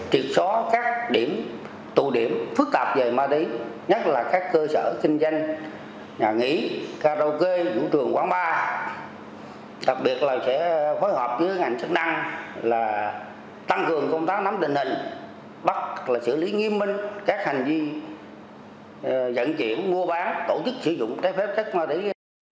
tổ chức sử dụng trái phép chất ma túy vận chuyển mua bán tổ chức sử dụng trái phép chất ma túy